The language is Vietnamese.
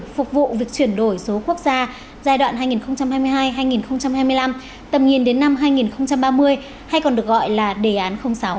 phục vụ việc chuyển đổi số quốc gia giai đoạn hai nghìn hai mươi hai hai nghìn hai mươi năm tầm nhìn đến năm hai nghìn ba mươi hay còn được gọi là đề án sáu